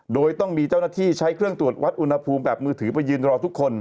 โดยต้องมีเจ้าหน้าที่ใช้เครื่องตรวจวัดอุณหภูมิแบบมือถือไปยืนรอทุกคน